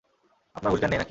আপনার হুশ জ্ঞান নেই নাকি?